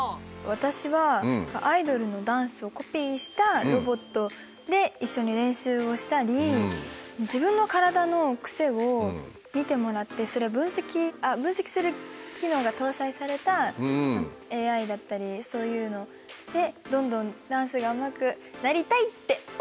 私はアイドルのダンスをコピーしたロボットで一緒に練習をしたり自分の体のクセを見てもらってそれを分析あ分析する機能が搭載されたＡＩだったりそういうのでどんどんダンスがうまくなりたいって思いました。